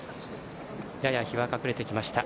やや日は隠れてきました。